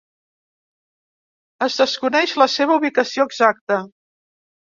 Es desconeix la seva ubicació exacta.